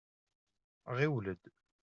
Ɣiwel-d.